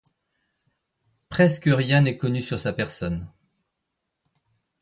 Presque rien n'est connu sur sa personne.